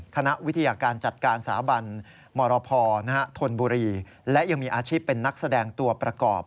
คณะวิทยาการจัดการสาบันมรพธนบุรีและยังมีอาชีพเป็นนักแสดงตัวประกอบ